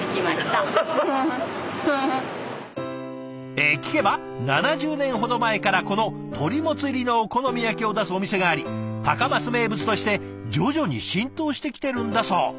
え聞けば７０年ほど前からこの鳥モツ入りのお好み焼きを出すお店があり高松名物として徐々に浸透してきてるんだそう。